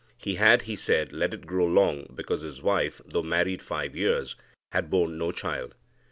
He had, he said, let it grow long because his wife, though married five years, had borne no child.